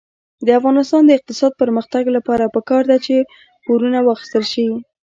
د افغانستان د اقتصادي پرمختګ لپاره پکار ده چې پورونه واخیستل شي.